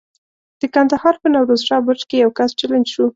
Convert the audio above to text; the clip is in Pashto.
د کندهار په نوروز شاه برج کې یو کس چلنج شو.